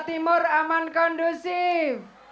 jawa timur aman kondusif